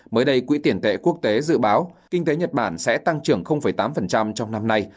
mới đây quỹ tiền tệ quốc tế dự báo kinh tế nhật bản sẽ tăng trưởng tám trong năm nay